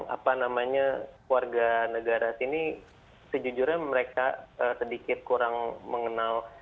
apa namanya warga negara sini sejujurnya mereka sedikit kurang mengenal